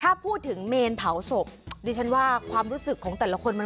ถ้าพูดถึงเมนเผาศพดิฉันว่าความรู้สึกของแต่ละคนมัน